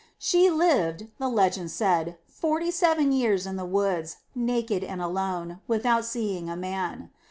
She lived, the legend said, forty seven years in the woods, naked and alone, without seeing a man.